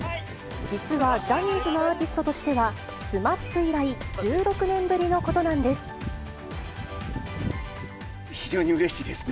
実はジャニーズのアーティストとしては、ＳＭＡＰ以来１６年ぶりのことなんです。